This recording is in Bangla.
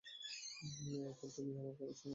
এখন তুমি আমার কথা শোন।